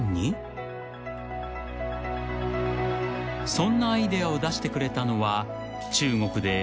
［そんなアイデアを出してくれたのは］